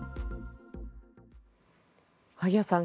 萩谷さん